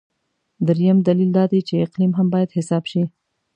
درېیم دلیل دا دی چې اقلیم هم باید حساب شي.